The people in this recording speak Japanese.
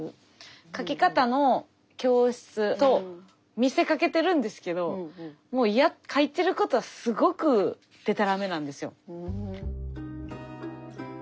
書き方の教室と見せかけてるんですけどもう書いてることはすごくでたらめなんですよ。